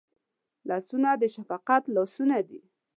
لاسونه د شفقت لاسونه دي